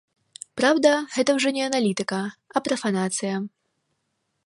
Праўда, гэта ўжо не аналітыка, а прафанацыя.